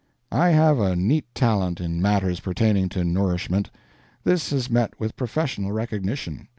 I have a neat talent in matters pertaining to nourishment. This has met with professional recognition.